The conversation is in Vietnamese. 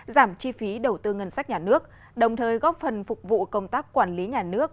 giảm chi phí đầu tư ngân sách nhà nước đồng thời góp phần phục vụ công tác quản lý nhà nước